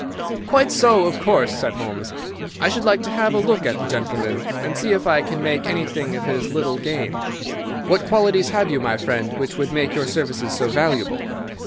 "Quite so, of course," said Holmes. "I should like to have a look at the gentleman, and see if I can make anything of his little game. What qualities have you, my friend, which would make your services so valuable?